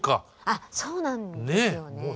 あっそうなんですよね。